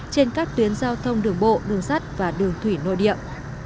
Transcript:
trên các tuyến giao thông đường bộ đường sắt và đường thủy nội địa